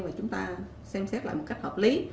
và chúng ta xem xét lại một cách hợp lý